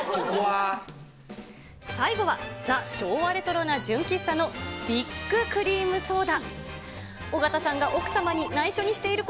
最後は、ザ・昭和レトロな純喫茶のＢＩＧクリームソーダ。